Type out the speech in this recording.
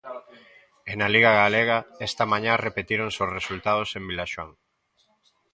E na Liga Galega, esta mañá repetíronse os resultados en Vilaxoán.